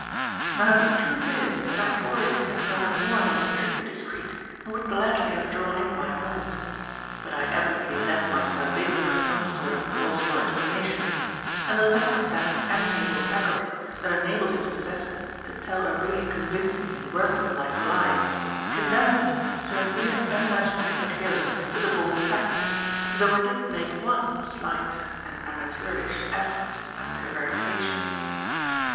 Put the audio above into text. Now the truth is that I had already said rather more than was strictly discreet and would gladly have drawn in my horns. But I had evidently let myself in for some sort of plausible explanation, and a lack of that enviable faculty that enables its possessor to tell a really convincing and workmanlike lie, condemned me to a mere unimaginative adherence to the bald facts, though I did make one slight and amateurish effort at prevarication.